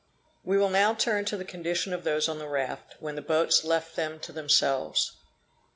We will now turn to the condition of those on the raft, when the boats left them to themselves.